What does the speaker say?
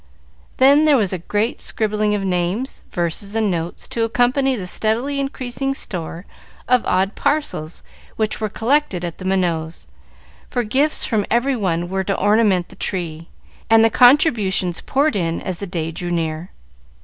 Then there was a great scribbling of names, verses, and notes to accompany the steadily increasing store of odd parcels which were collected at the Minots', for gifts from every one were to ornament the tree, and contributions poured in as the day drew near.